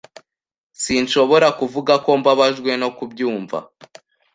Sinshobora kuvuga ko mbabajwe no kubyumva.